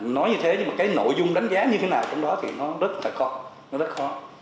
nói như thế nhưng mà cái nội dung đánh giá như thế nào trong đó thì nó rất là khó nó rất khó